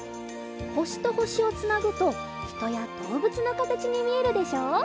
ほしとほしをつなぐとひとやどうぶつのかたちにみえるでしょ？